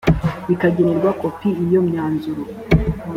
bukagenerwa kopi iyo myanzuro